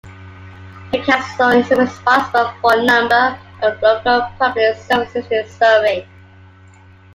The council is responsible for a number of local public services in Surrey.